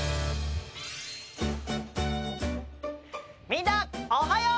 みんなおはよう！